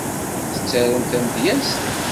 Tettarum tamedyezt?